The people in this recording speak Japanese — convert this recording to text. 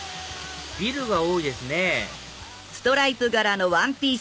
ビルが多いですね